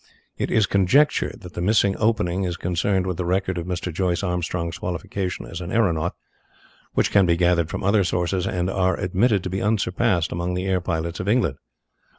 It is conjectured that the missing opening is concerned with the record of Mr. Joyce Armstrong's qualifications as an aeronaut, which can be gathered from other sources and are admitted to be unsurpassed among the air pilots of England.